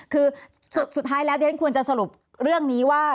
คือสุดท้ายแล้วเดี๋ยวฉันควรจะสรุปเรื่องนี้ว่า